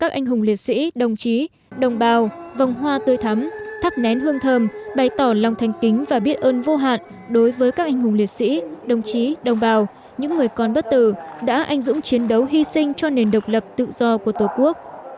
các anh hùng liệt sĩ đồng chí đồng bào vòng hoa tươi thắm thắp nén hương thơm bày tỏ lòng thanh kính và biết ơn vô hạn đối với các anh hùng liệt sĩ đồng chí đồng bào những người con bất tử đã anh dũng chiến đấu hy sinh cho nền độc lập tự do của tổ quốc